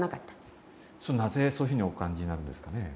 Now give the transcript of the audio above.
なぜそういうふうにお感じになるんですかね？